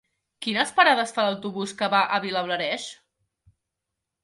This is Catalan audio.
Quines parades fa l'autobús que va a Vilablareix?